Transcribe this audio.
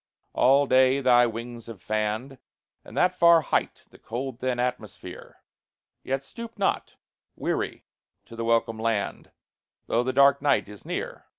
All day thy wings have fanned, At that far height, the cold thin atmosphere, Yet stoop not, weary, to the welcome land, Though the dark night is near.